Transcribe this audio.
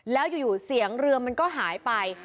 แล้วอยู่เสียงเรือมันก็หายไป